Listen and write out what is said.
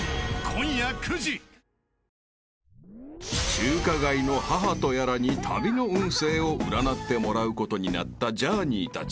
［中華街の母とやらに旅の運勢を占ってもらうことになったジャーニーたち］